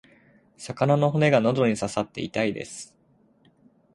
魚の骨が喉に刺さって痛いです。